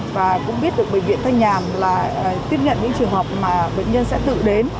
và cũng biết được bệnh viện thanh nhàm là tiếp nhận những trường hợp mà bệnh nhân sẽ tự đến